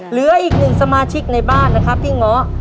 เหลืออีกหนึ่งสมาชิกในบ้านนะครับที่ง้อ